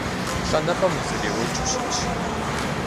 Плӏанэпэм узэреуэкӏыу щытщ.